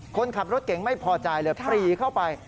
คนขับรถเก่งไม่พอใจเลยปรีเข้าไป